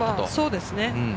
そうですね。